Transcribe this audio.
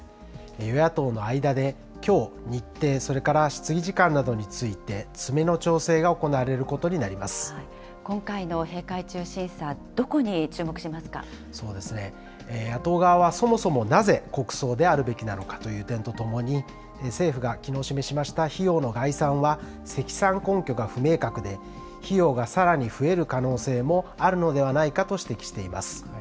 与野党の間できょう、日程、それから質疑時間などについて、詰め今回の閉会中審査、どこに注そうですね、野党側はそもそもなぜ、国葬であるべきなのかという点とともに、政府がきのう示しました費用の概算は積算根拠が不明確で、費用がさらに増える可能性もあるのではないかと指摘しています。